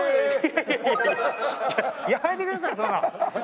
やめてくださいそんな。